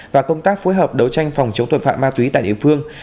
và công tác phối hợp đấu tranh phòng chống tội phạm ma túy tại địa phương